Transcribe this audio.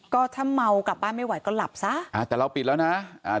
ก็ถ้าเมากลับบ้านไม่ไหวก็หลับซะอ่าแต่เราปิดแล้วนะอ่า